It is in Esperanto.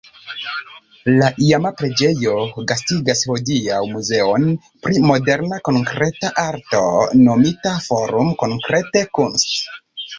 La iama preĝejo gastigas hodiaŭ muzeon pri moderna konkreta arto nomita "Forum Konkrete Kunst".